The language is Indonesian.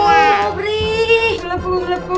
sobri awas ada jebakan